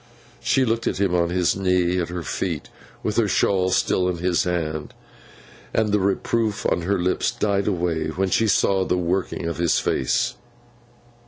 She looked at him, on his knee at her feet, with her shawl still in his hand, and the reproof on her lips died away when she saw the working of his face.